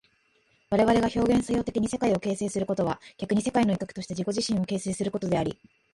我々が表現作用的に世界を形成することは逆に世界の一角として自己自身を形成することであり、